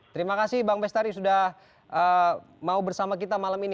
terima kasih bang bestari sudah mau bersama kita malam ini